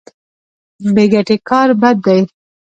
بې ګټې کار بد دی.